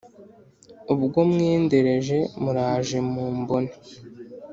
ubwo mwendereje muraje mumbone